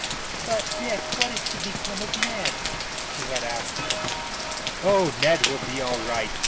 "But, Dick, what is to become of Ned?" she had asked him. "Oh, Ned will be all right.